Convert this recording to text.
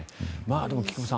でも、菊間さん